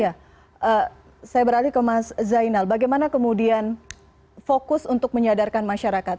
ya saya beralih ke mas zainal bagaimana kemudian fokus untuk menyadarkan masyarakat